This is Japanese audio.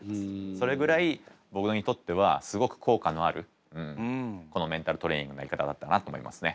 それぐらい僕にとってはすごく効果のあるこのメンタルトレーニングのやり方だったなと思いますね。